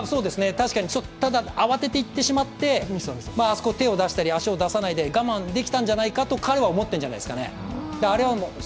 確かに、ただ慌てていってしまって、あそこ手を出したり、足を出さないで我慢できたんじゃないかと彼は思っているんじゃないですかね。